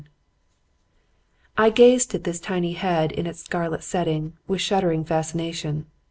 I gazed at this tiny head in its scarlet setting with shuddering fascination.